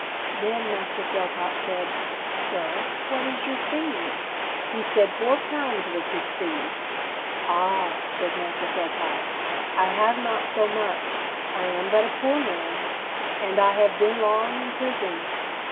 Then Master Philpot said, 'Sir, what is your fee?' He said four pounds was his fee. 'Ah,' said Master Philpot, 'I have not so much; I am but a poor man, and I have been long in prison.'